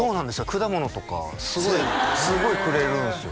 果物とかすごいくれるんですよ